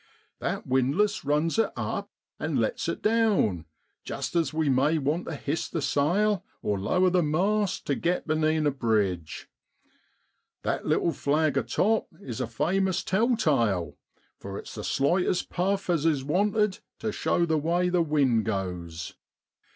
' That windlass runs it up an' lets it down, just as we may want to hist the sail or lower the mast to get benean a bridge. That little flag atop is a famous tell tale, for it's the slightest puff as is wanted to show the way the wind goes.